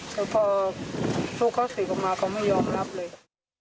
แต่พอลูกเขาศึกออกมาเขาไม่ยอมรับเลย